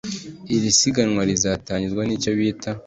Iri siganwa rizatangizwa n’icyo bita